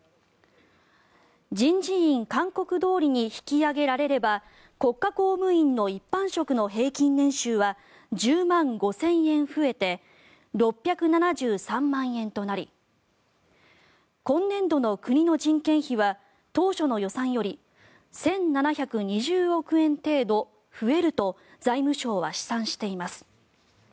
人事院勧告どおりに引き上げられれば国家公務員の一般職の平均年収は１０万５０００円増えて６７３万円となり今年度の国の人件費は当初の予算より１７２０億円程度増えると財務省は試算しています。